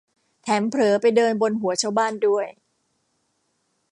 แถมเผลอไปเดินบนหัวชาวบ้านด้วย